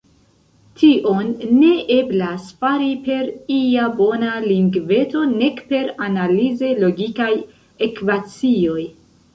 Tion ne eblas fari per ia bona lingveto nek per analize logikaj ekvacioj.